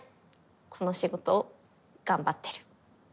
この仕事を頑張ってる。